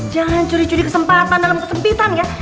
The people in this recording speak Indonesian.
jangan curi curi kesempatan dalam kesempitan ya